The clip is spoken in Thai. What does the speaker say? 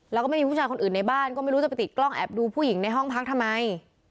แล้วก็ไม่มีผู้ชายคนอื่นในบ้านก็ไม่รู้จะไปติดกล้องแอบดูผู้หญิงในห้องพักทำไม